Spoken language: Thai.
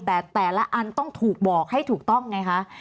แต่แต่ละอันต้องถูกบอกให้ถูกต้องไงคะ